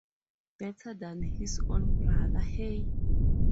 Better than his own brother, hey?